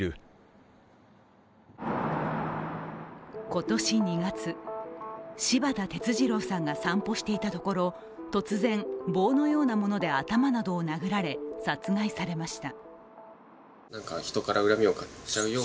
今年２月、柴田哲二郎さんが散歩していたところ突然、棒のようなもので頭などを殴られ、殺害されました。